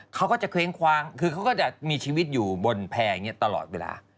เขาก็จะเคว้งคว้างคือเขาก็จะมีชีวิตอยู่บนแพร่อย่างนี้ตลอดเวลา